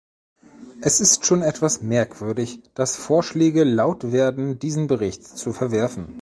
Es ist schon etwas merkwürdig, dass Vorschläge laut werden, diesen Bericht zu verwerfen.